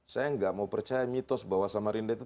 saya tidak mau percaya mitos bahwa samarinda itu tidak bisa diatur